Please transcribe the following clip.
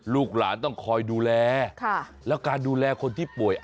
ลูกหลานต้องคอยดูแลแล้วการดูแลคนที่ป่วย